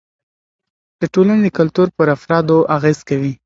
د ټولنې کلتور پر افرادو اغېز کوي.